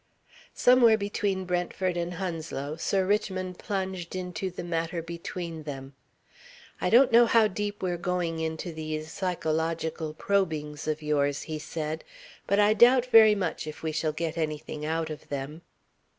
Somewhere between Brentford and Hounslow, Sir Richmond plunged into the matter between them. "I don't know how deep we are going into these psychological probings of yours," he said. "But I doubt very much if we shall get anything out of them."